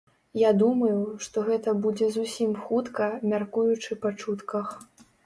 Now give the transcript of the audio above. Я думаю, што гэта будзе зусім хутка, мяркуючы па чутках.